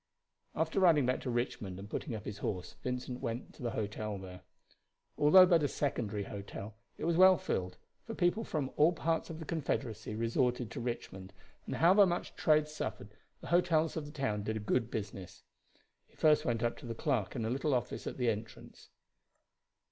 After riding back to Richmond and putting up his horse, Vincent went to the hotel there. Although but a secondary hotel it was well filled, for people from all parts of the Confederacy resorted to Richmond, and however much trade suffered, the hotels of the town did a good business. He first went up to the clerk in a little office at the entrance.